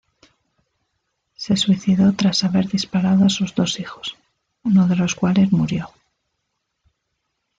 Se suicidó tras haber disparado a sus dos hijos, uno de los cuales murió.